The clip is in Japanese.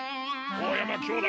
大山兄弟！